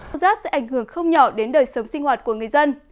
các giác sẽ ảnh hưởng không nhỏ đến đời sống sinh hoạt của người dân